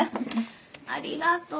ありがとう。